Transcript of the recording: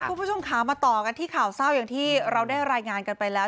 คุณผู้ชมค่ะมาต่อกันที่ข่าวเศร้าอย่างที่เราได้รายงานกันไปแล้ว